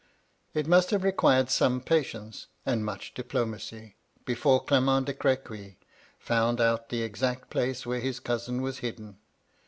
^^It must have required some patience and much diplomacy, before Clement de Grequy found out the exact place where his cousin was hidden.